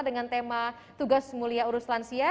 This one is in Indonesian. dengan tema tugas mulia urus lansia